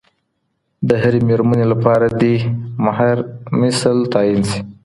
د هرې ميرمني لپاره دي مهر مثل تعين سي،